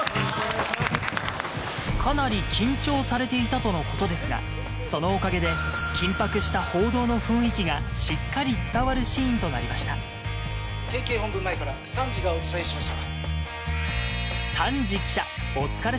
かなり緊張されていたとのことですがそのおかげで緊迫した報道の雰囲気がしっかり伝わるシーンとなりました県警本部前から三治がお伝えしました。